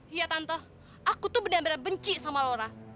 iya tante aku tuh bener bener benci sama laura